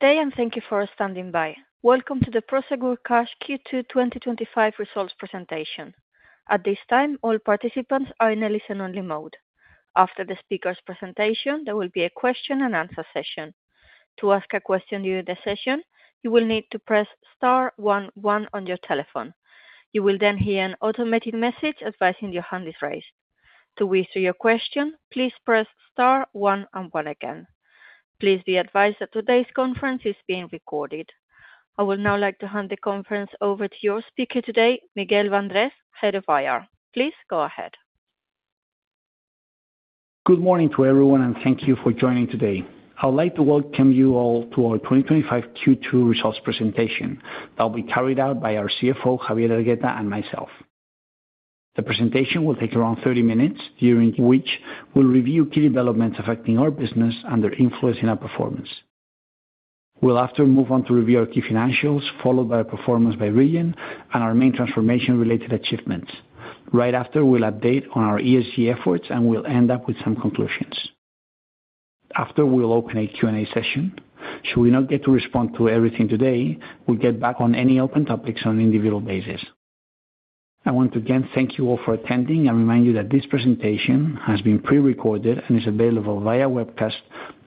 Thank you for standing by. Welcome to the Prosegur Cash Q2 2025 Results Presentation. At this time, all participants are in a listen-only mode. After the speaker's presentation, there will be a question and answer session. To ask a question during the session, you will need to press *11 on your telephone. You will then hear an automated message advising your hand is raised. To answer your question, please press * one and one again. Please be advised that today's conference is being recorded. I would now like to hand the conference over to your speaker today, Miguel Bandrés, Head of IR. Please go ahead. Good morning to everyone, and thank you for joining today. I would like to welcome you all to our 2025 Q2 results presentation that will be carried out by our CFO, Javier Hergueta, and myself. The presentation will take around 30 minutes, during which we will review key developments affecting our business and their influence in our performance. We will after move on to review our key financials, followed by a performance by Rillion and our main transformation-related achievements. Right after, we will update on our ESG efforts, and we will end up with some conclusions. After, we will open a Q&A session. Should we not get to respond to everything today, we will get back on any open topics on an individual basis. I want to again thank you all for attending and remind you that this presentation has been pre-recorded and is available via webcast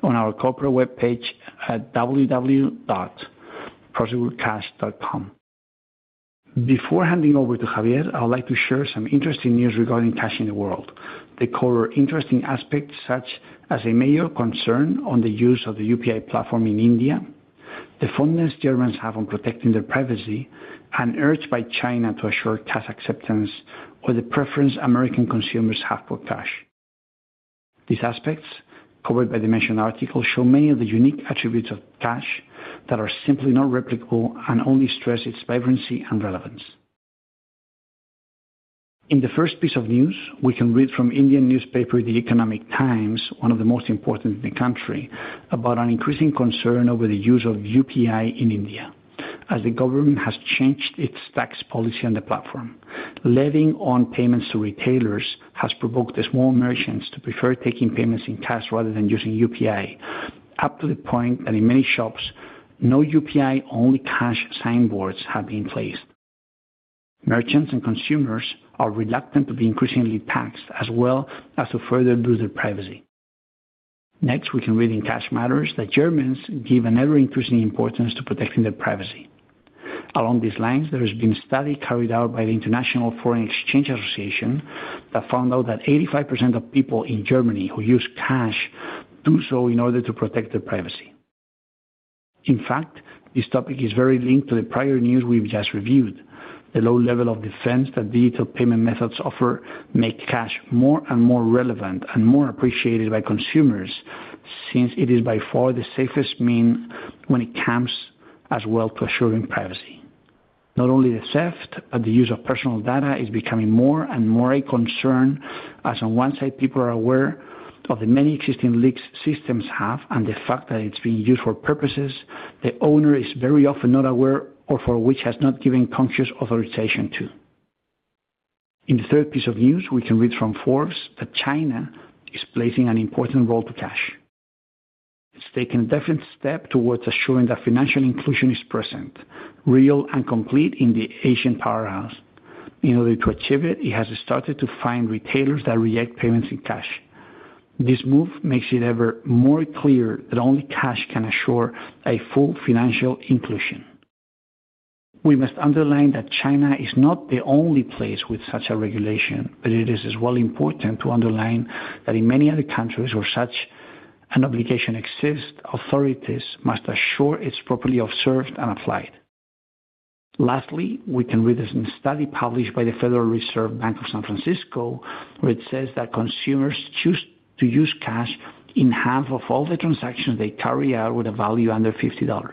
on our corporate webpage at www.prosegurcash.com. Before handing over to Javier, I would like to share some interesting news regarding cash in the world. They cover interesting aspects such as a major concern on the use of the UPI platform in India, the fondness Germans have on protecting their privacy, and an urge by China to assure cash acceptance, or the preference American consumers have for cash. These aspects, covered by the mentioned article, show many of the unique attributes of cash that are simply not replicable and only stress its vibrancy and relevance. In the first piece of news, we can read from Indian newspaper, The Economic Times, one of the most important in the country, about an increasing concern over the use of UPI in India, as the government has changed its tax policy on the platform. Letting on payments to retailers has provoked the small merchants to prefer taking payments in cash rather than using UPI, up to the point that in many shops, no UPI, only cash signboards, have been placed. Merchants and consumers are reluctant to be increasingly taxed, as well as to further boost their privacy. Next, we can read in Cash Matters that Germans give an ever-increasing importance to protecting their privacy. Along these lines, there has been a study carried out by the International Foreign Exchange Association that found out that 85% of people in Germany who use cash do so in order to protect their privacy. In fact, this topic is very linked to the prior news we've just reviewed. The low level of defense that digital payment methods offer makes cash more and more relevant and more appreciated by consumers, since it is by far the safest means when it comes as well to assuring privacy. Not only the theft, but the use of personal data is becoming more and more a concern, as on one side, people are aware of the many existing leaks systems have and the fact that it's being used for purposes the owner is very often not aware of or for which has not given conscious authorization to. In the third piece of news, we can read from Forbes that China is placing an important role to cash. It's taken a definite step towards assuring that financial inclusion is present, real, and complete in the Asian powerhouse. In order to achieve it, it has started to fine retailers that reject payments in cash. This move makes it ever more clear that only cash can assure a full financial inclusion. We must underline that China is not the only place with such a regulation, but it is as well important to underline that in many other countries where such an obligation exists, authorities must assure it's properly observed and applied. Lastly, we can read this in a study published by the Federal Reserve Bank of San Francisco, where it says that consumers choose to use cash in half of all the transactions they carry out with a value under $50.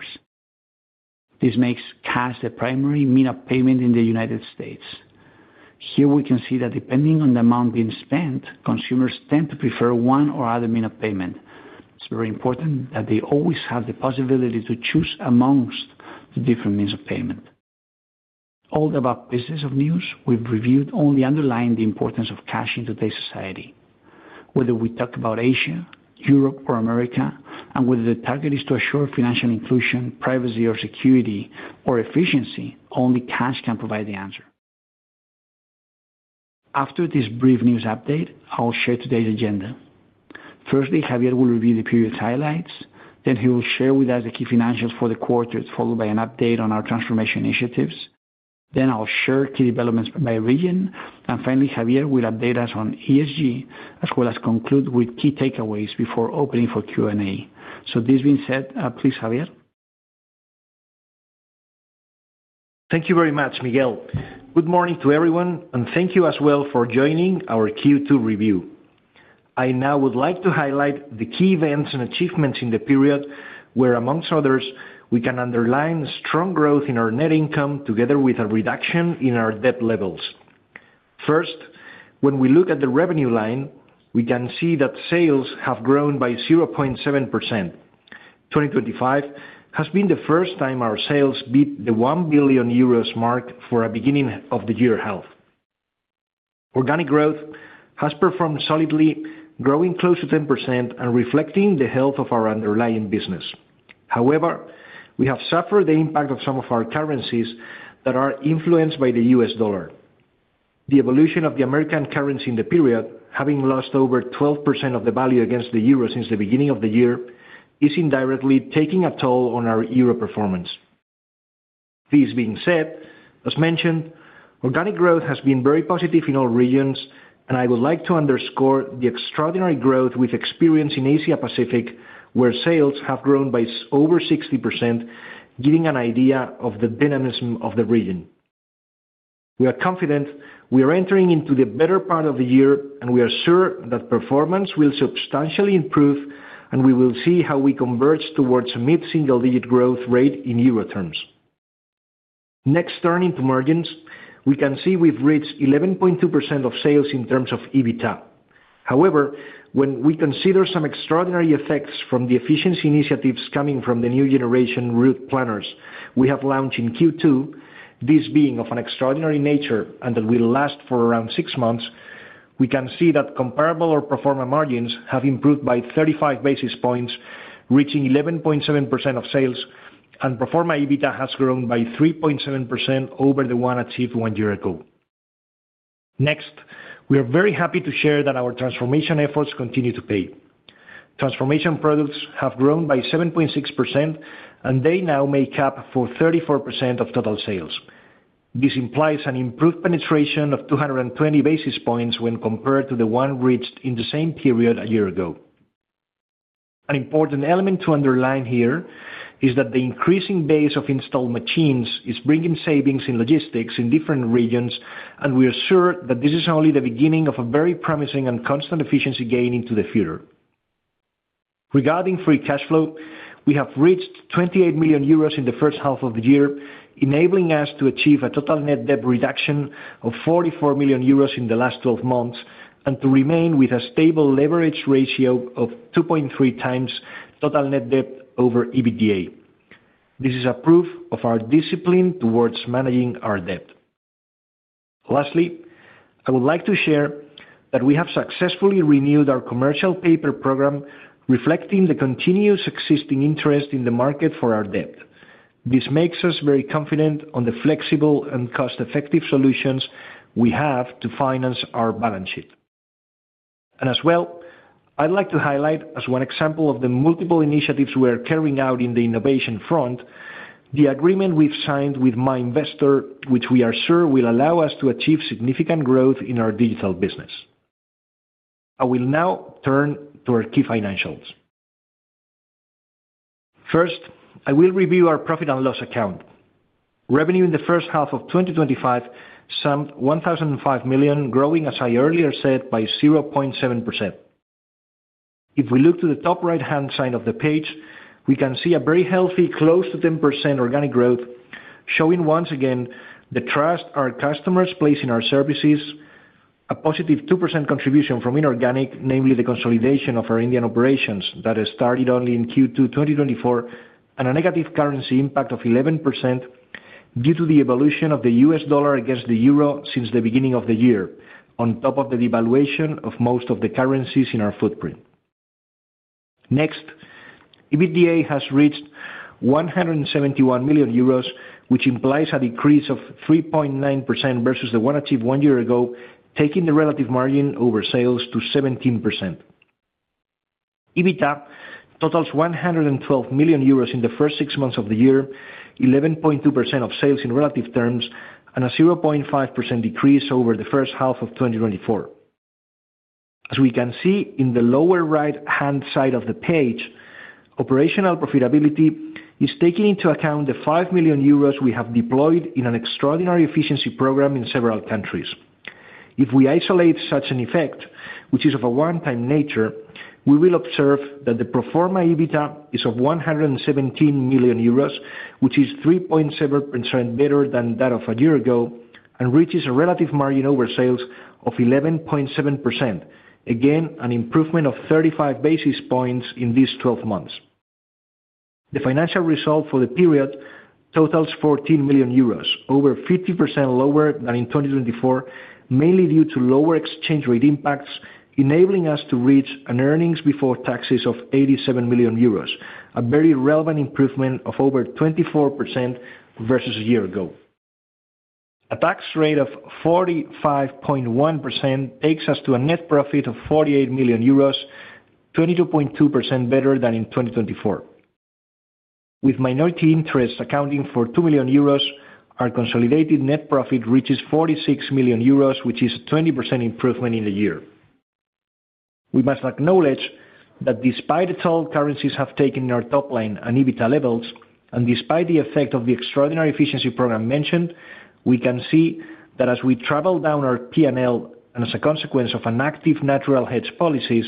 This makes cash the primary means of payment in the U.S. Here, we can see that depending on the amount being spent, consumers tend to prefer one or other means of payment. It's very important that they always have the possibility to choose amongst the different means of payment. All the above pieces of news we've reviewed only underline the importance of cash in today's society. Whether we talk about Asia, Europe, or America, and whether the target is to assure financial inclusion, privacy, or security, or efficiency, only cash can provide the answer. After this brief news update, I will share today's agenda. Firstly, Javier will review the period's highlights. Then, he will share with us the key financials for the quarter, followed by an update on our transformation initiatives. I'll share key developments by Rillion. Finally, Javier will update us on ESG, as well as conclude with key takeaways before opening for Q&A. This being said, please, Javier. Thank you very much, Miguel. Good morning to everyone, and thank you as well for joining our Q2 review. I now would like to highlight the key events and achievements in the period, where amongst others, we can underline the strong growth in our net income, together with a reduction in our debt levels. First, when we look at the revenue line, we can see that sales have grown by 0.7%. 2025 has been the first time our sales beat the 1 billion euros mark for a beginning-of-the-year health. Organic growth has performed solidly, growing close to 10% and reflecting the health of our underlying business. However, we have suffered the impact of some of our currencies that are influenced by the U.S. dollar. The evolution of the American currency in the period, having lost over 12% of the value against the euro since the beginning of the year, is indirectly taking a toll on our euro performance. This being said, as mentioned, organic growth has been very positive in all regions, and I would like to underscore the extraordinary growth we've experienced in Asia-Pacific, where sales have grown by over 60%, giving an idea of the dynamism of the region. We are confident we are entering into the better part of the year, and we are sure that performance will substantially improve, and we will see how we converge towards a mid-single-digit growth rate in euro terms. Next, turning to margins, we can see we've reached 11.2% of sales in terms of EBITDA. However, when we consider some extraordinary effects from the efficiency initiatives coming from the new generation route planners we have launched in Q2, this being of an extraordinary nature and that will last for around six months, we can see that comparable or pro forma margins have improved by 35 basis points, reaching 11.7% of sales, and pro forma EBITDA has grown by 3.7% over the one achieved one year ago. Next, we are very happy to share that our transformation efforts continue to pay. Transformation products have grown by 7.6%, and they now make up for 34% of total sales. This implies an improved penetration of 220 basis points when compared to the one reached in the same period a year ago. An important element to underline here is that the increasing base of installed machines is bringing savings in logistics in different regions, and we are sure that this is only the beginning of a very promising and constant efficiency gain into the future. Regarding free cash flow, we have reached 28 million euros in the first half of the year, enabling us to achieve a total net debt reduction of 44 million euros in the last 12 months, and to remain with a stable leverage ratio of 2.3 times total net debt over EBITDA. This is a proof of our discipline towards managing our debt. Lastly, I would like to share that we have successfully renewed our commercial paper program, reflecting the continuous existing interest in the market for our debt. This makes us very confident on the flexible and cost-effective solutions we have to finance our balance sheet. I would like to highlight as one example of the multiple initiatives we are carrying out in the innovation front, the agreement we've signed with MyInvestor, which we are sure will allow us to achieve significant growth in our digital business. I will now turn to our key financials. First, I will review our profit and loss account. Revenue in the first half of 2025 sums 1.5 million, growing, as I earlier said, by 0.7%. If we look to the top right-hand side of the page, we can see a very healthy close to 10% organic growth, showing once again the trust our customers place in our services, a positive 2% contribution from inorganic, namely the consolidation of our Indian operations that has started only in Q2 2024, and a negative currency impact of 11% due to the evolution of the U.S. dollar against the euro since the beginning of the year, on top of the devaluation of most of the currencies in our footprint. Next, EBITDA has reached 171 million euros, which implies a decrease of 3.9% versus the one achieved one year ago, taking the relative margin over sales to 17%. EBITDA totals 112 million euros in the first six months of the year, 11.2% of sales in relative terms, and a 0.5% decrease over the first half of 2024. As we can see in the lower right-hand side of the page, operational profitability is taking into account the 5 million euros we have deployed in an extraordinary efficiency program in several countries. If we isolate such an effect, which is of a one-time nature, we will observe that the pro forma EBITDA is of 117 million euros, which is 3.7% better than that of a year ago, and reaches a relative margin over sales of 11.7%, again an improvement of 35 basis points in these 12 months. The financial result for the period totals 14 million euros, over 50% lower than in 2024, mainly due to lower exchange rate impacts, enabling us to reach an earnings before taxes of 87 million euros, a very relevant improvement of over 24% versus a year ago. A tax rate of 45.1% takes us to a net profit of 48 million euros, 22.2% better than in 2024. With minority interest accounting for 2 million euros, our consolidated net profit reaches 46 million euros, which is a 20% improvement in the year. We must acknowledge that despite its old currencies have taken in our top line and EBITDA levels, and despite the effect of the extraordinary efficiency program mentioned, we can see that as we travel down our P&L, and as a consequence of an active natural hedge policies,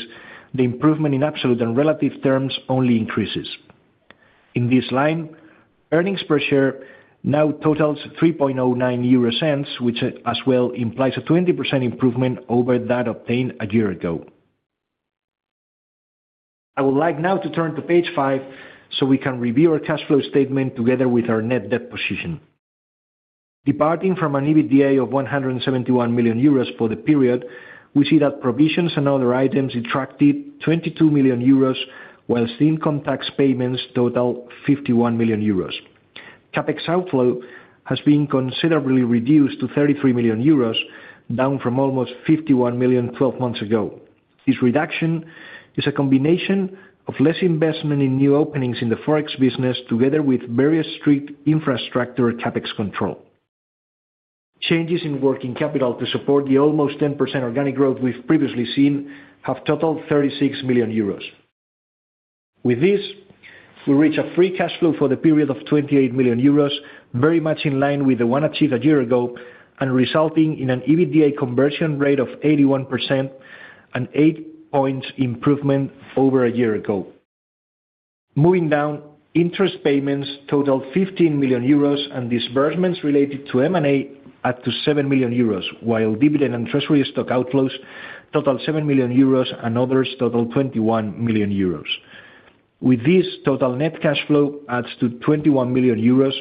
the improvement in absolute and relative terms only increases. In this line, earnings per share now totals 3.09 euro, which as well implies a 20% improvement over that obtained a year ago. I would like now to turn to page five so we can review our cash flow statement together with our net debt position. Departing from an EBITDA of 171 million euros for the period, we see that provisions and other items attracted 22 million euros, whilst income tax payments total 51 million euros. CapEx outflow has been considerably reduced to 33 million euros, down from almost 51 million 12 months ago. This reduction is a combination of less investment in new openings in the forex business, together with various strict infrastructure or CapEx control. Changes in working capital to support the almost 10% organic growth we've previously seen have totaled 36 million euros. With this, we reach a free cash flow for the period of 28 million euros, very much in line with the one achieved a year ago, and resulting in an EBITDA conversion rate of 81%, an 8-point improvement over a year ago. Moving down, interest payments totaled 15 million euros, and disbursements related to M&A add to 7 million euros, while dividend and treasury stock outflows totaled 7 million euros, and others totaled 21 million euros. With this, total net cash flow adds to 21 million euros,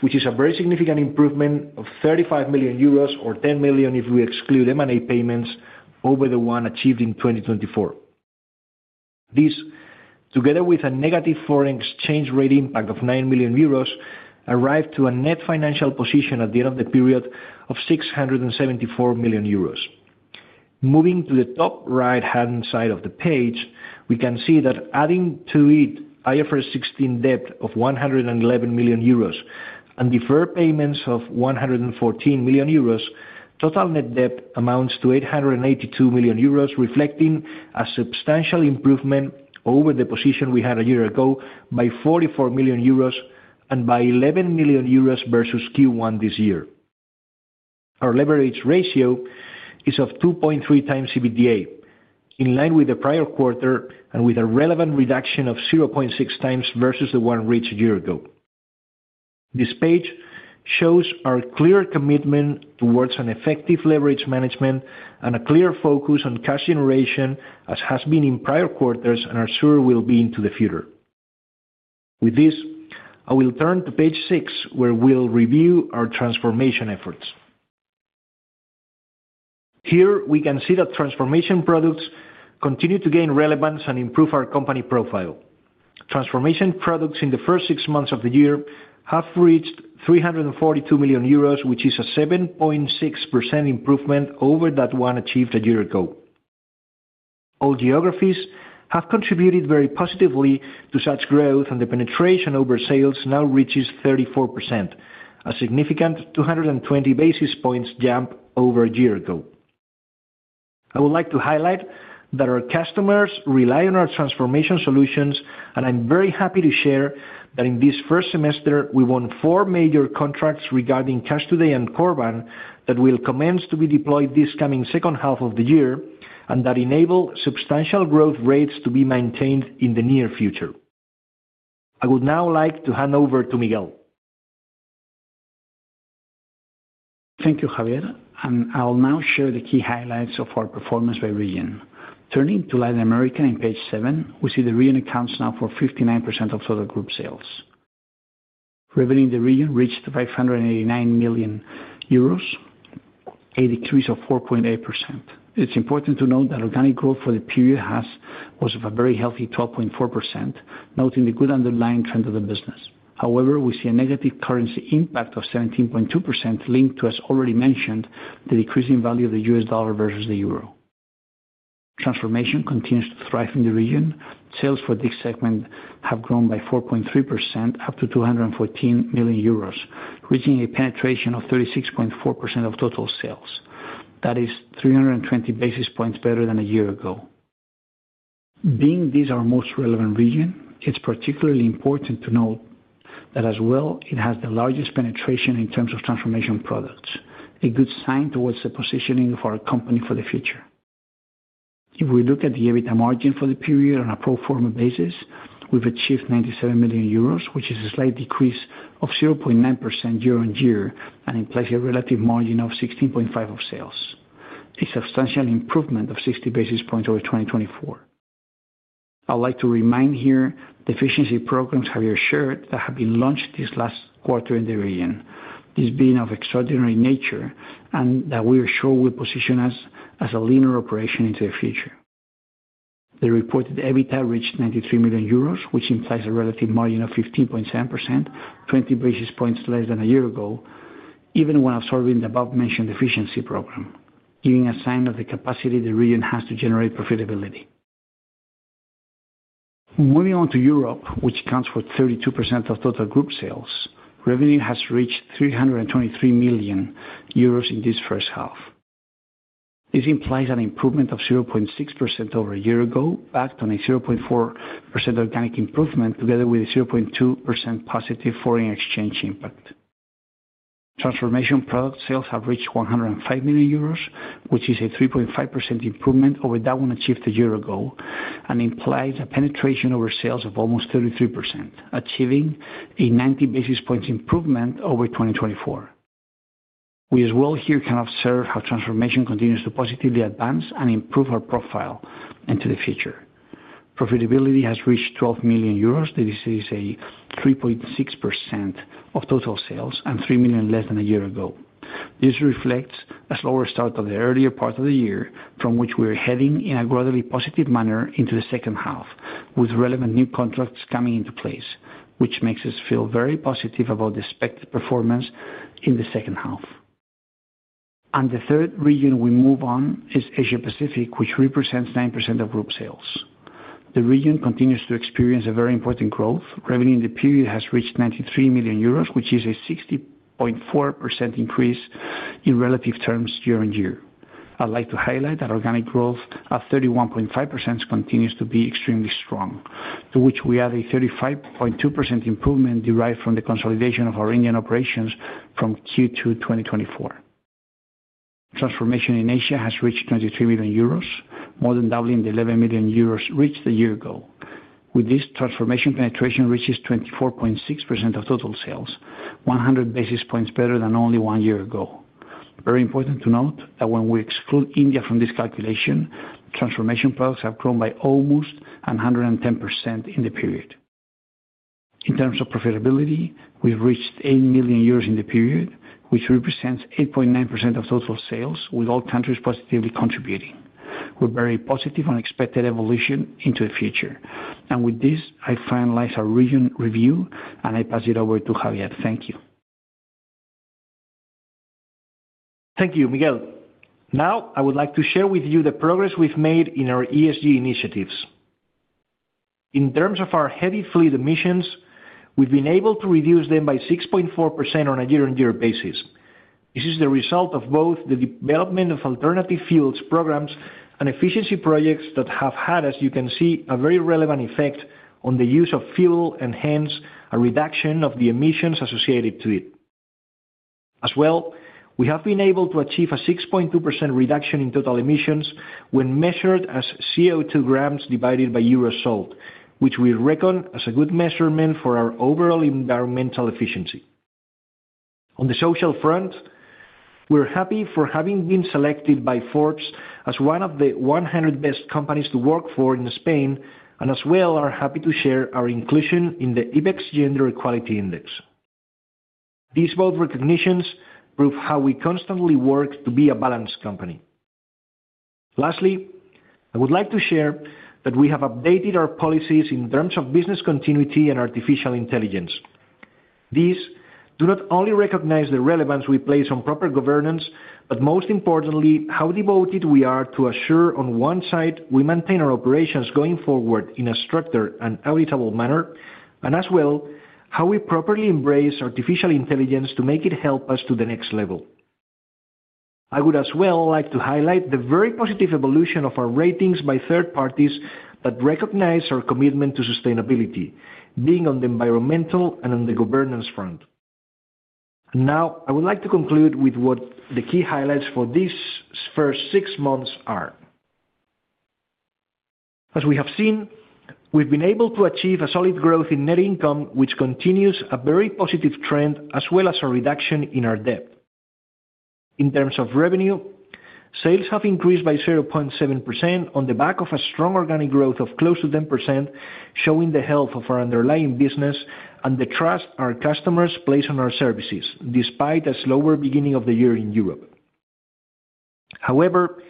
which is a very significant improvement of 35 million euros, or 10 million if we exclude M&A payments over the one achieved in 2024. This, together with a negative foreign exchange rate impact of 9 million euros, arrived to a net financial position at the end of the period of 674 million euros. Moving to the top right-hand side of the page, we can see that adding to it IFRS 16 debt of 111 million euros and deferred payments of 114 million euros, total net debt amounts to 882 million euros, reflecting a substantial improvement over the position we had a year ago by 44 million euros and by 11 million euros versus Q1 this year. Our leverage ratio is of 2.3 times EBITDA, in line with the prior quarter and with a relevant reduction of 0.6 times versus the one reached a year ago. This page shows our clear commitment towards an effective leverage management and a clear focus on cash generation, as has been in prior quarters and I'm sure will be into the future. With this, I will turn to page six, where we'll review our transformation efforts. Here, we can see that transformation products continue to gain relevance and improve our company profile. Transformation products in the first six months of the year have reached 342 million euros, which is a 7.6% improvement over that one achieved a year ago. All geographies have contributed very positively to such growth, and the penetration over sales now reaches 34%, a significant 220 basis points jump over a year ago. I would like to highlight that our customers rely on our transformation solutions, and I'm very happy to share that in this first semester, we won four major contracts regarding Cash2day and Korban that will commence to be deployed this coming second half of the year, and that enable substantial growth rates to be maintained in the near future. I would now like to hand over to Miguel. Thank you, Javier, and I'll now share the key highlights of our performance by Rillion. Turning to Latin America in page seven, we see the Rillion accounts now for 59% of total group sales. Revenue in the Rillion reached 589 million euros, a decrease of 4.8%. It's important to note that organic growth for the period was of a very healthy 12.4%, noting the good underlying trend of the business. However, we see a negative currency impact of 17.2% linked to, as already mentioned, the decreasing value of the U.S. dollar versus the euro. Transformation continues to thrive in the Rillion. Sales for this segment have grown by 4.3%, up to 214 million euros, reaching a penetration of 36.4% of total sales. That is 320 basis points better than a year ago. Being this our most relevant region, it's particularly important to note that as well, it has the largest penetration in terms of transformation products, a good sign towards the positioning of our company for the future. If we look at the EBITDA margin for the period on a pro forma basis, we've achieved 97 million euros, which is a slight decrease of 0.9% year-on-year, and implies a relative margin of 16.5% of sales. A substantial improvement of 60 basis points over 2024. I would like to remind here the efficiency programs Javier shared that have been launched this last quarter in the Rillion, this being of extraordinary nature, and that we are sure will position us as a leaner operation into the future. The reported EBITDA reached 93 million euros, which implies a relative margin of 15.7%, 20 basis points less than a year ago, even when absorbing the above-mentioned efficiency program, giving a sign of the capacity the Rillion has to generate profitability. Moving on to Europe, which accounts for 32% of total group sales, revenue has reached 323 million euros in this first half. This implies an improvement of 0.6% over a year ago, backed on a 0.4% organic improvement, together with a 0.2% positive foreign exchange impact. Transformation product sales have reached 105 million euros, which is a 3.5% improvement over that one achieved a year ago, and implies a penetration over sales of almost 33%, achieving a 90 basis points improvement over 2024. We as well here can observe how transformation continues to positively advance and improve our profile into the future. Profitability has reached 12 million euros, this is a 3.6% of total sales and 3 million less than a year ago. This reflects a slower start of the earlier part of the year, from which we are heading in a grossly positive manner into the second half, with relevant new contracts coming into place, which makes us feel very positive about the expected performance in the second half. The third region we move on is Asia-Pacific, which represents 9% of group sales. The Rillion continues to experience a very important growth. Revenue in the period has reached 93 million euros, which is a 60.4% increase in relative terms year-on-year. I'd like to highlight that organic growth at 31.5% continues to be extremely strong, to which we add a 35.2% improvement derived from the consolidation of our Indian operations from Q2 2024. Transformation in Asia has reached 23 million euros, more than doubling the 11 million euros reached a year ago. With this, transformation penetration reaches 24.6% of total sales, 100 basis points better than only one year ago. It is very important to note that when we exclude India from this calculation, transformation products have grown by almost 110% in the period. In terms of profitability, we've reached 80 million euros in the period, which represents 8.9% of total sales, with all countries positively contributing, with very positive and expected evolution into the future. With this, I finalize our Rillion review, and I pass it over to Javier. Thank you. Thank you, Miguel. Now, I would like to share with you the progress we've made in our ESG initiatives. In terms of our heavy fluid emissions, we've been able to reduce them by 6.4% on a year-on-year basis. This is the result of both the development of alternative fuels programs and efficiency projects that have had, as you can see, a very relevant effect on the use of fuel, and hence, a reduction of the emissions associated with it. As well, we have been able to achieve a 6.2% reduction in total emissions when measured as CO2 grams divided by euro sold, which we reckon as a good measurement for our overall environmental efficiency. On the social front, we're happy for having been selected by Forbes as one of the 100 best companies to work for in Spain, and as well, are happy to share our inclusion in the IBEX Gender Equality Index. These both recognitions prove how we constantly work to be a balanced company. Lastly, I would like to share that we have updated our policies in terms of business continuity and artificial intelligence. These do not only recognize the relevance we place on proper governance, but most importantly, how devoted we are to assure on one side we maintain our operations going forward in a structured and auditable manner, and as well, how we properly embrace artificial intelligence to make it help us to the next level. I would as well like to highlight the very positive evolution of our ratings by third parties that recognize our commitment to sustainability, being on the environmental and on the governance front. Now, I would like to conclude with what the key highlights for these first six months are. As we have seen, we've been able to achieve a solid growth in net income, which continues a very positive trend, as well as a reduction in our debt. In terms of revenue, sales have increased by 0.7% on the back of a strong organic growth of close to 10%, showing the health of our underlying business and the trust our customers place on our services, despite a slower beginning of the year in Europe. However,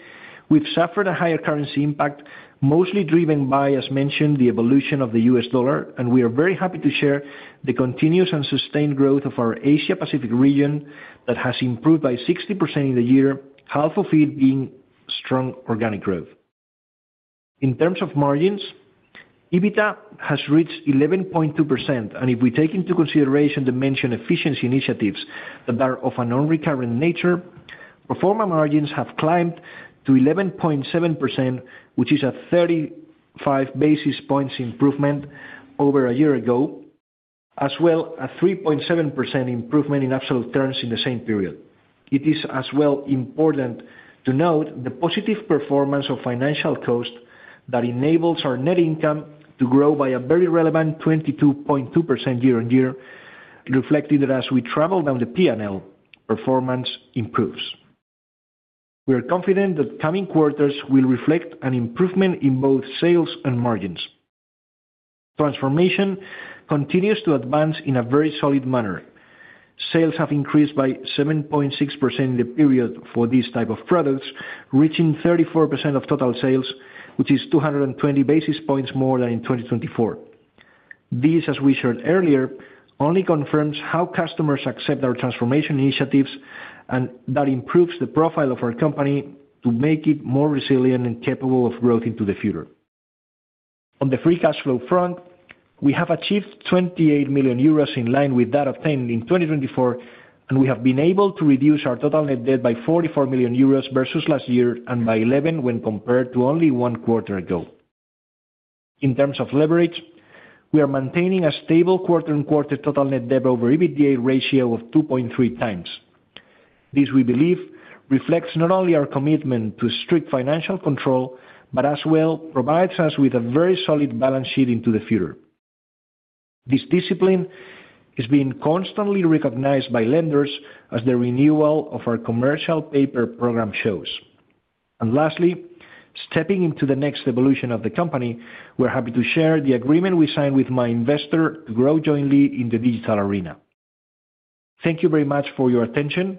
we've suffered a higher currency impact, mostly driven by, as mentioned, the evolution of the U.S. dollar, and we are very happy to share the continuous and sustained growth of our Asia-Pacific region that has improved by 60% in the year, half of it being strong organic growth. In terms of margins, EBITDA has reached 11.2%, and if we take into consideration the mentioned efficiency initiatives that are of a non-recurrent nature, pro forma margins have climbed to 11.7%, which is a 35 basis points improvement over a year ago, as well as a 3.7% improvement in absolute terms in the same period. It is as well important to note the positive performance of financial cost that enables our net income to grow by a very relevant 22.2% year-on-year, reflecting that as we travel down the P&L, performance improves. We are confident that coming quarters will reflect an improvement in both sales and margins. Transformation continues to advance in a very solid manner. Sales have increased by 7.6% in the period for this type of products, reaching 34% of total sales, which is 220 basis points more than in 2024. This, as we shared earlier, only confirms how customers accept our transformation initiatives, and that improves the profile of our company to make it more resilient and capable of growth into the future. On the free cash flow front, we have achieved 28 million euros in line with that obtained in 2024, and we have been able to reduce our total net debt by 44 million euros versus last year, and by 11% when compared to only one quarter ago. In terms of leverage, we are maintaining a stable quarter-on-quarter total net debt over EBITDA ratio of 2.3 times. This, we believe, reflects not only our commitment to strict financial control, but as well provides us with a very solid balance sheet into the future. This discipline is being constantly recognized by lenders as the renewal of our commercial paper program shows. Lastly, stepping into the next evolution of the company, we're happy to share the agreement we signed with MyInvestor to grow jointly in the digital arena. Thank you very much for your attention,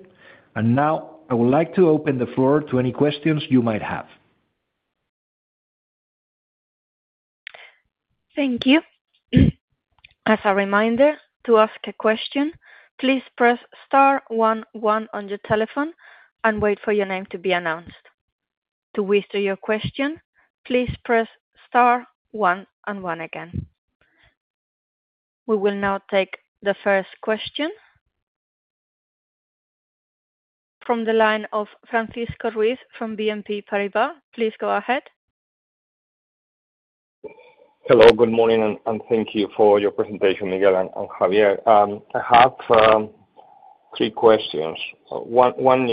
and now I would like to open the floor to any questions you might have. Thank you. As a reminder, to ask a question, please press star one one on your telephone and wait for your name to be announced. To whisper your question, please press star one and one again. We will now take the first question. From the line of Francisco Ruiz from BNP Paribas, please go ahead. Hello. Good morning, and thank you for your presentation, Miguel and Javier. I have three questions. One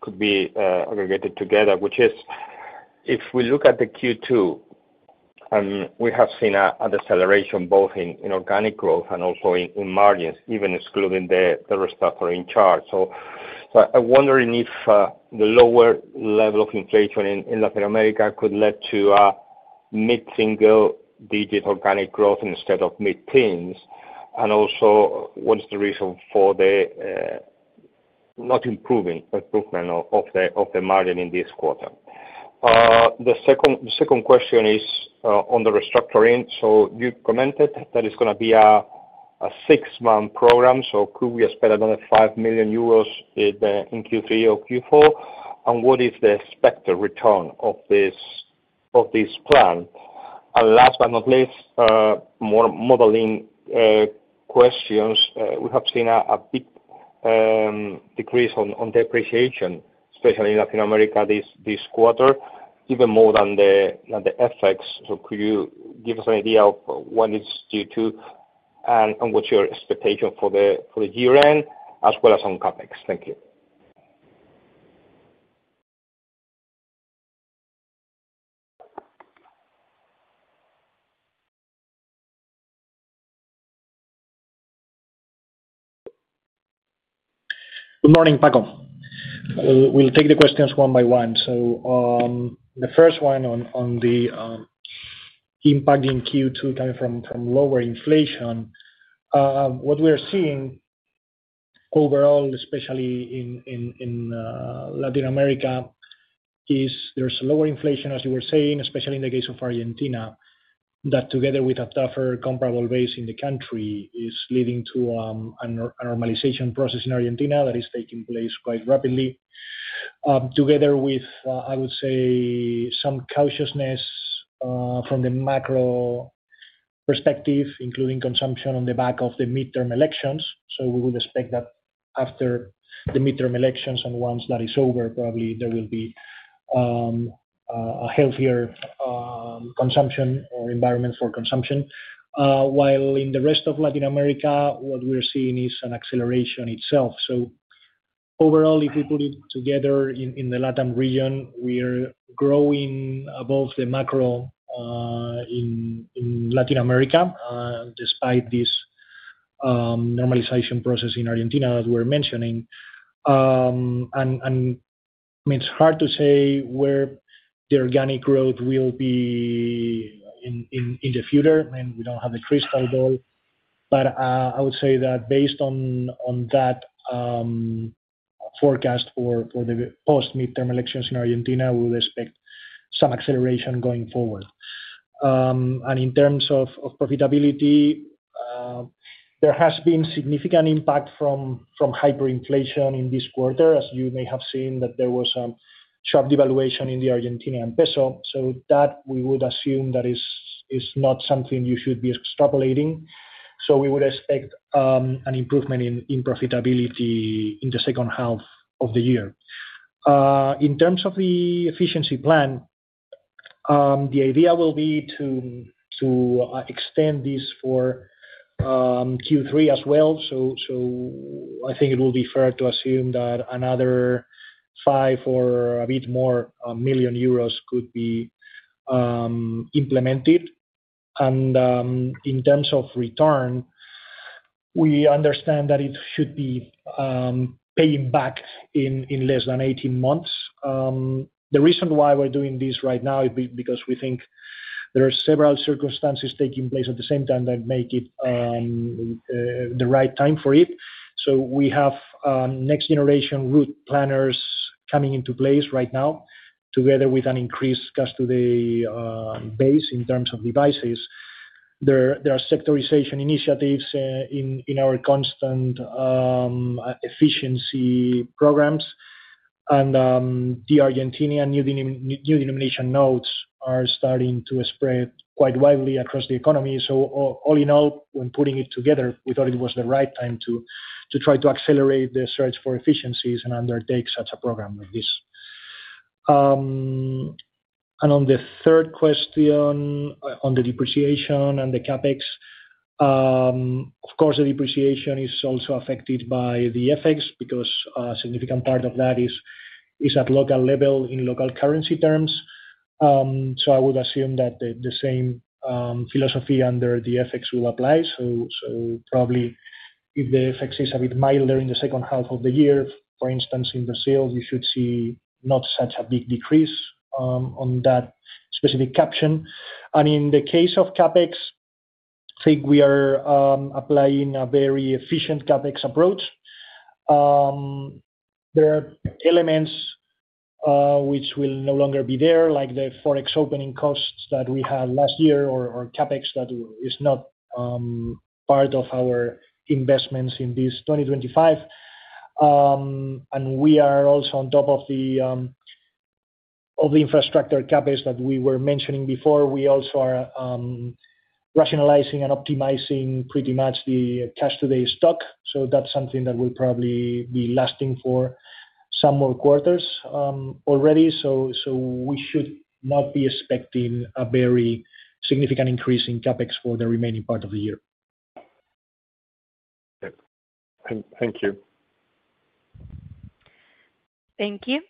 could be aggregated together, which is, if we look at the Q2, and we have seen a deceleration both in organic growth and also in margins, even excluding the rest that are in charge. I'm wondering if the lower level of inflation in Latin America could lead to a mid-single-digit organic growth instead of mid-teens, and also what is the reason for the not improving improvement of the margin in this quarter. The second question is on the restructuring. You commented that it's going to be a six-month program, could we expect another 5 million euros in Q3 or Q4, and what is the expected return of this plan? Last but not least, more modeling questions. We have seen a big decrease on depreciation, especially in Latin America this quarter, even more than the FX. Could you give us an idea of when it's due to and what's your expectation for the year-end, as well as on CapEx? Thank you. Good morning, Paco. We'll take the questions one by one. The first one on the impact in Q2 coming from lower inflation. What we are seeing overall, especially in Latin America, is there's a lower inflation, as you were saying, especially in the case of Argentina, that together with a tougher comparable base in the country is leading to a normalization process in Argentina that is taking place quite rapidly. Together with, I would say, some cautiousness from the macro perspective, including consumption on the back of the midterm elections. We would expect that after the midterm elections and once that is over, probably there will be a healthier consumption or environment for consumption. While in the rest of Latin America, what we're seeing is an acceleration itself. Overall, if we put it together in the Latin region, we are growing above the macro in Latin America, despite this normalization process in Argentina that we're mentioning. It's hard to say where the organic growth will be in the future, and we don't have the crystal ball, but I would say that based on that forecast for the post-midterm elections in Argentina, we would expect some acceleration going forward. In terms of profitability, there has been significant impact from hyperinflation in this quarter, as you may have seen that there was a sharp devaluation in the Argentinian peso. We would assume that is not something you should be extrapolating. We would expect an improvement in profitability in the second half of the year. In terms of the efficiency plan, the idea will be to extend this for Q3 as well. I think it will be fair to assume that another 5 million or a bit more could be implemented. In terms of return, we understand that it should be paying back in less than 18 months. The reason why we're doing this right now is because we think there are several circumstances taking place at the same time that make it the right time for it. We have next-generation route planners coming into place right now, together with an increased Cash2day base in terms of devices. There are sectorization initiatives in our constant efficiency programs, and the Argentinian new denomination notes are starting to spread quite widely across the economy. All in all, when putting it together, we thought it was the right time to try to accelerate the search for efficiencies and undertake such a program like this. On the third question, on the depreciation and the CapEx, of course, the depreciation is also affected by the FX because a significant part of that is at local level in local currency terms. I would assume that the same philosophy under the FX will apply. Probably if the FX is a bit milder in the second half of the year, for instance, in Brazil, we should see not such a big decrease on that specific caption. In the case of CapEx, I think we are applying a very efficient CapEx approach. There are elements which will no longer be there, like the Forex opening costs that we had last year or CapEx that is not part of our investments in this 2025. We are also on top of the infrastructure CapEx that we were mentioning before. We also are rationalizing and optimizing pretty much the Cash2day stock. That's something that will probably be lasting for some more quarters already. We should not be expecting a very significant increase in CapEx for the remaining part of the year. Thank you. Thank you.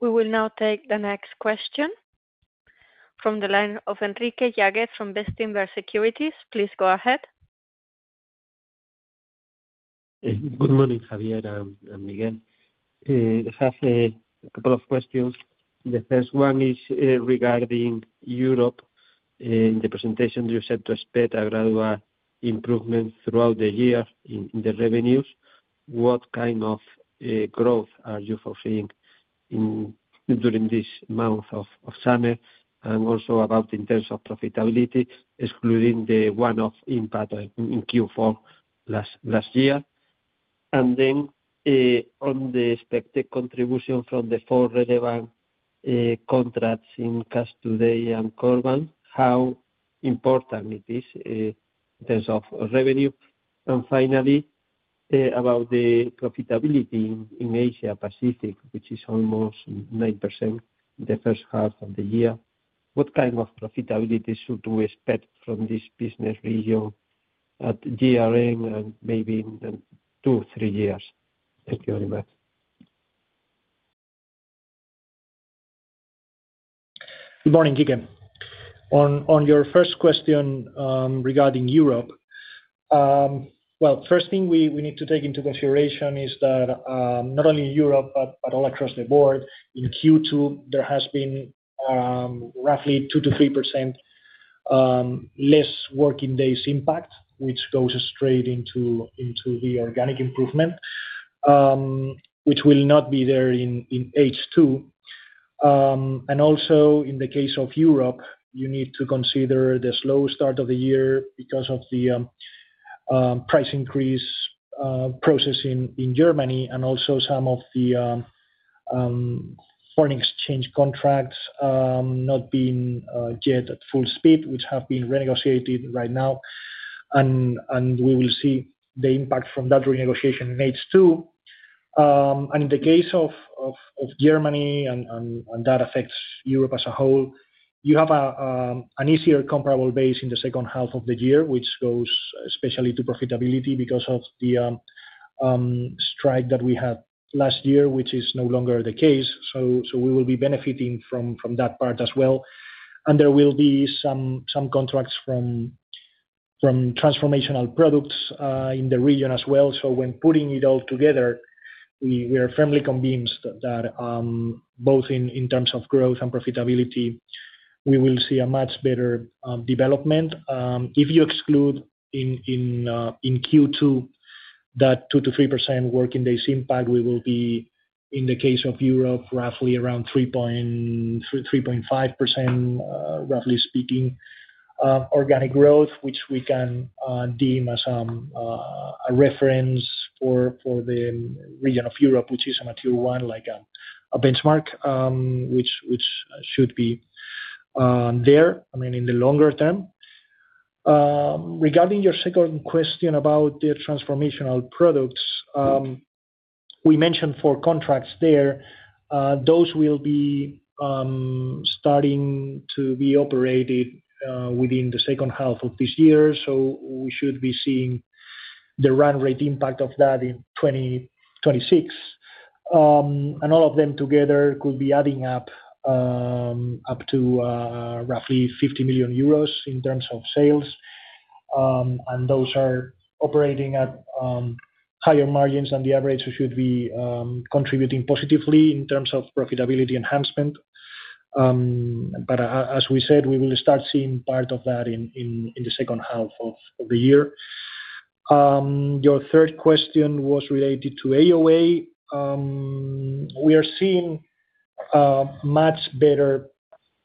We will now take the next question from the line of Enrique Yáguez from Bestinver Securities. Please go ahead. Good morning, Javier and Miguel. I have a couple of questions. The first one is regarding Europe. In the presentation, you said to expect a gradual improvement throughout the year in the revenues. What kind of growth are you foreseeing during this month of summer? Also, in terms of profitability, excluding the one-off impact in Q4 last year. On the expected contribution from the four relevant contracts in Cash2day and Korban, how important is it in terms of revenue? Finally, about the profitability in Asia-Pacific, which is almost 9% in the first half of the year, what kind of profitability should we expect from this business region at year-end and maybe in two, three years? Thank you very much. Good morning, Guillem. On your first question regarding Europe, the first thing we need to take into consideration is that not only in Europe, but all across the board, in Q2, there has been roughly 2% to 3% less working days impact, which goes straight into the organic improvement, which will not be there in H2. In the case of Europe, you need to consider the slow start of the year because of the price increase process in Germany and also some of the foreign exchange contracts not being yet at full speed, which have been renegotiated right now. We will see the impact from that renegotiation in H2. In the case of Germany, and that affects Europe as a whole, you have an easier comparable base in the second half of the year, which goes especially to profitability because of the strike that we had last year, which is no longer the case. We will be benefiting from that part as well. There will be some contracts from transformation products in the region as well. When putting it all together, we are firmly convinced that both in terms of growth and profitability, we will see a much better development. If you exclude in Q2 that 2% to 3% working days impact, we will be, in the case of Europe, roughly around 3.5%, 3.5%, roughly speaking, organic growth, which we can deem as a reference for the region of Europe, which is a material one, like a benchmark, which should be there, I mean, in the longer term. Regarding your second question about the transformation products, we mentioned four contracts there. Those will be starting to be operated within the second half of this year. We should be seeing the run rate impact of that in 2026. All of them together could be adding up to roughly 50 million euros in terms of sales. Those are operating at higher margins than the average, so should be contributing positively in terms of profitability enhancement. As we said, we will start seeing part of that in the second half of the year. Your third question was related to AOA. We are seeing much better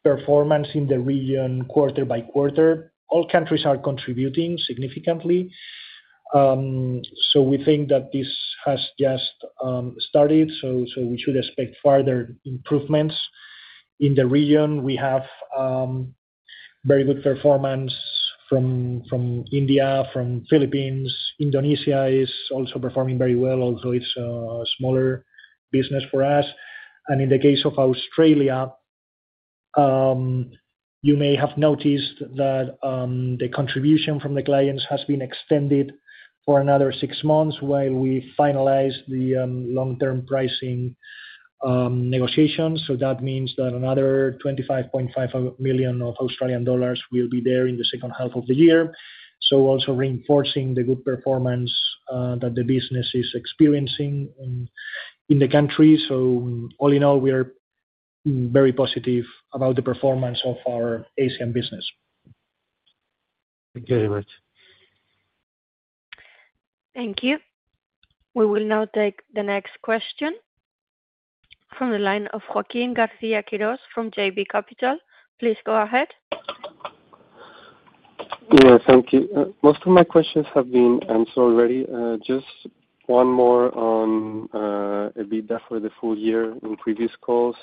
performance in the region quarter by quarter. All countries are contributing significantly. We think that this has just started. We should expect further improvements in the region. We have very good performance from India, from Philippines. Indonesia is also performing very well, although it's a smaller business for us. In the case of Australia, you may have noticed that the contribution from the clients has been extended for another six months while we finalize the long-term pricing negotiations. That means that another 25.5 million will be there in the second half of the year, also reinforcing the good performance that the business is experiencing in the country. All in all, we are very positive about the performance of our ASEAN business. Thank you very much. Thank you. We will now take the next question from the line of Joaquin Garcia Quiroz from JB Capital. Please go ahead. Thank you. Most of my questions have been answered already. Just one more on EBITDA for the full year. In previous calls,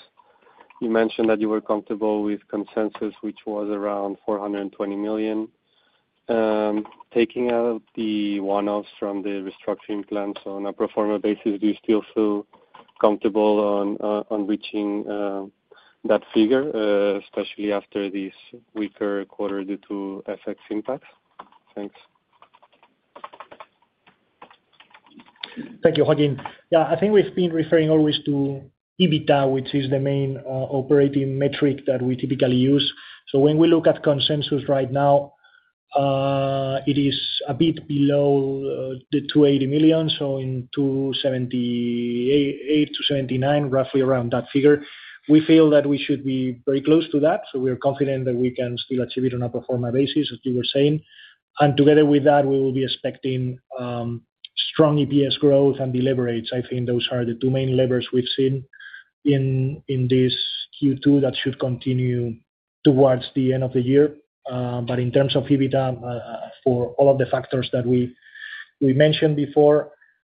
you mentioned that you were comfortable with consensus, which was around 420 million. Taking out the one-offs from the restructuring plans on a pro forma basis, do you still feel comfortable on reaching that figure, especially after this weaker quarter due to FX impacts? Thanks. Thank you, Joaquin. Yeah, I think we've been referring always to EBITDA, which is the main operating metric that we typically use. When we look at consensus right now, it is a bit below the $280 million. In $278 million to $279 million, roughly around that figure, we feel that we should be very close to that. We are confident that we can still achieve it on a pro forma basis, as you were saying. Together with that, we will be expecting strong EPS growth and delivery rates. I think those are the two main levers we've seen in this Q2 that should continue towards the end of the year. In terms of EBITDA, for all of the factors that we mentioned before,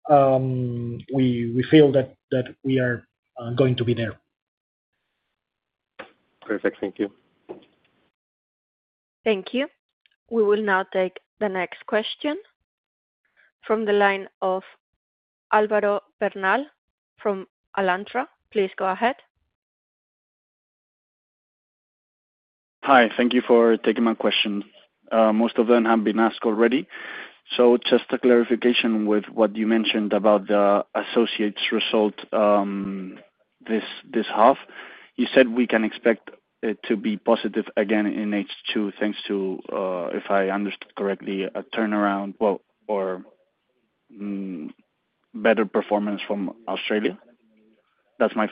we feel that we are going to be there. Perfect. Thank you. Thank you. We will now take the next question from the line of Álvaro Bernal from Alantra. Please go ahead. Hi. Thank you for taking my question. Most of them have been asked already. Just a clarification with what you mentioned about the associates result this half. You said we can expect it to be positive again in H2, thanks to, if I understood correctly, a turnaround or better performance from Australia. That's my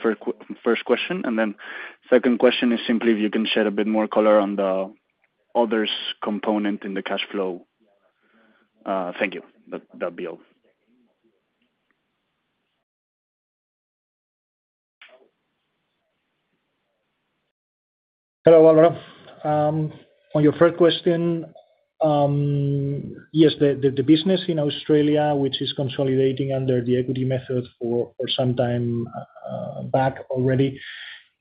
first question. The second question is simply if you can shed a bit more color on the others' component in the cash flow. Thank you. That'll be all. Hello, Álvaro. On your first question, yes, the business in Australia, which is consolidating under the equity method for some time back already,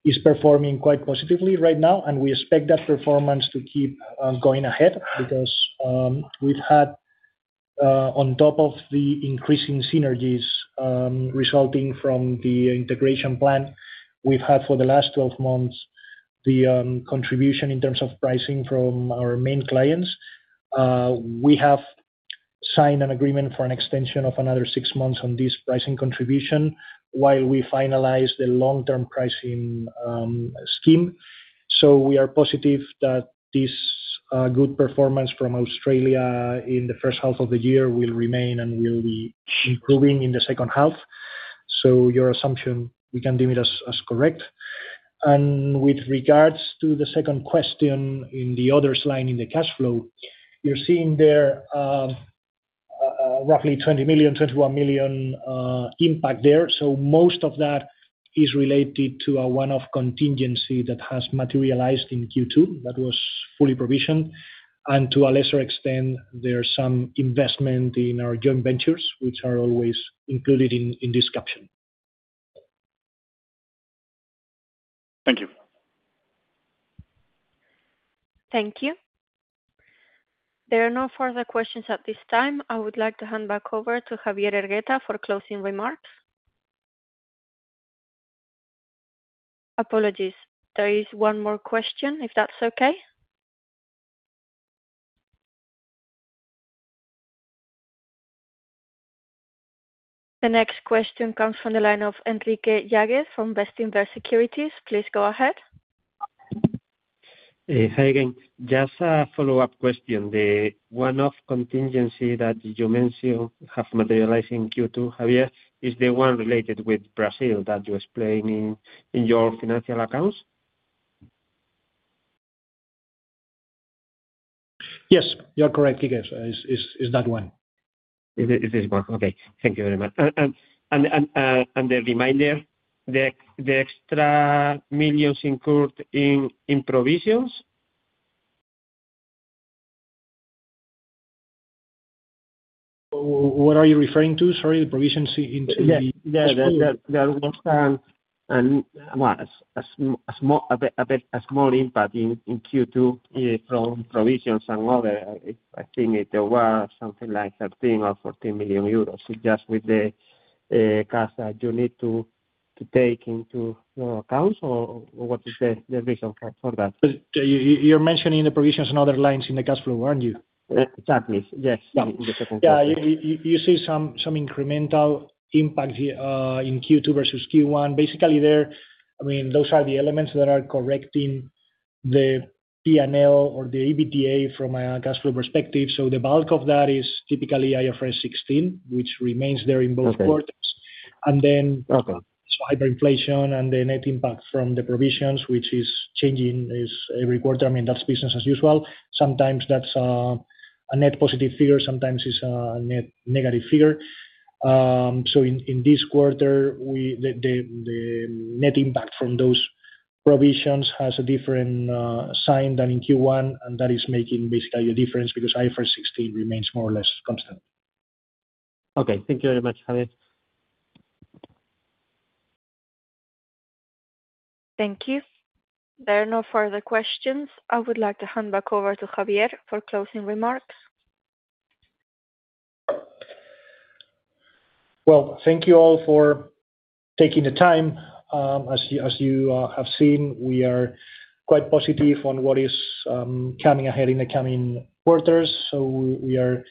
is performing quite positively right now. We expect that performance to keep going ahead because we've had, on top of the increasing synergies resulting from the integration plan, for the last 12 months the contribution in terms of pricing from our main clients. We have signed an agreement for an extension of another six months on this pricing contribution while we finalize the long-term pricing scheme. We are positive that this good performance from Australia in the first half of the year will remain and will be improving in the second half. Your assumption, we can deem it as correct. With regards to the second question in the others' line in the cash flow, you're seeing there roughly $20 million, $21 million impact there. Most of that is related to a one-off contingency that has materialized in Q2 that was fully provisioned. To a lesser extent, there's some investment in our joint ventures, which are always included in this caption. Thank you. Thank you. There are no further questions at this time. I would like to hand back over to Javier Hergueta for closing remarks. Apologies, there is one more question, if that's okay. The next question comes from the line of Enrique Llaguer from Bestinver Securities. Please go ahead. Thanks again. Just a follow-up question. The one-off contingency that you mentioned has materialized in Q2, Javier, is the one related with Brazil that you explain in your financial accounts? Yes, you're correct, Guillem. It's that one. Thank you very much. The reminder, the extra millions incurred in provisions? What are you referring to? Sorry, the provisions in the? Yeah, that was a small impact in Q2 from provisions and others. I think it was something like 13 million or 14 million euros. Just with the cost that you need to take into your accounts, what is the reason for that? You're mentioning the provisions and other lines in the cash flow, aren't you? Exactly. Yes. You see some incremental impact in Q2 versus Q1. Basically, those are the elements that are correcting the P&L or the EBITDA from a cash flow perspective. The bulk of that is typically IFRS 16, which remains there in both quarters. Hyperinflation and the net impact from the provisions are changing every quarter. That's business as usual. Sometimes that's a net positive figure, sometimes it's a net negative figure. In this quarter, the net impact from those provisions has a different sign than in Q1, and that is making a difference because IFRS 16 remains more or less constant. Okay, thank you very much, Javier. Thank you. There are no further questions. I would like to hand back over to Javier for closing remarks. Thank you all for taking the time. As you have seen, we are quite positive on what is coming ahead in the coming quarters. We are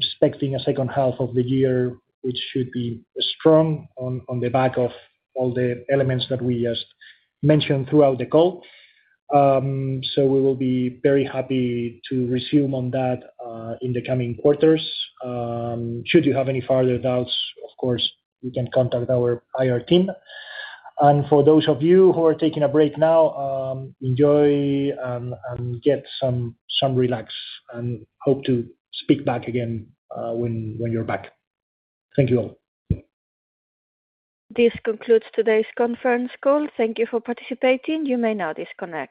expecting a second half of the year, which should be strong on the back of all the elements that we just mentioned throughout the call. We will be very happy to resume on that in the coming quarters. Should you have any further doubts, of course, you can contact our IR team. For those of you who are taking a break now, enjoy and get some relax and hope to speak back again when you're back. Thank you all. This concludes today's conference call. Thank you for participating. You may now disconnect.